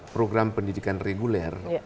program pendidikan reguler